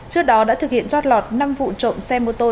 trước đó đã thực hiện chót lọt năm vụ trộm xe mô tô